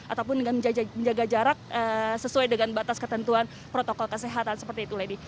ataupun dengan menjaga jarak sesuai dengan batas ketentuan protokol kesehatan seperti itu lady